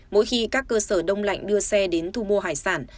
mỗi khi các cơ sở đông lạnh đưa xe đến thu mua hải sản